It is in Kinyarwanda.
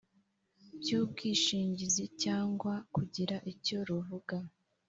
by ubwishingizi cyangwa kugira icyo ruvuga